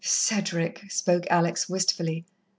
"Cedric!" spoke Alex wistfully.